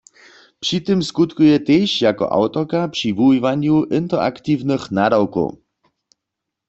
Při tym skutkuje tež jako awtorka při wuwiwanju interaktiwnych nadawkow.